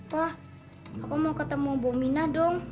ma aku mau ketemu bominah dong